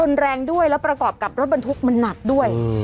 รุนแรงด้วยแล้วประกอบกับรถบรรทุกมันหนักด้วย